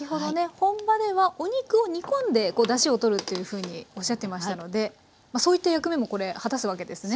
本場ではお肉を煮込んでだしをとるっていうふうにおっしゃってましたのでそういった役目も果たすわけですね。